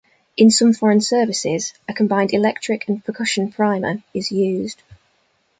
In some foreign services a combined electric and percussion primer is used.